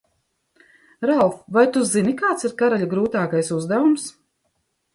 Ralf, vai tu zini, kāds ir karaļa grūtākais uzdevums?